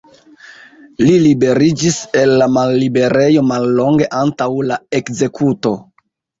Li liberiĝis el la malliberejo mallonge antaŭ la ekzekuto.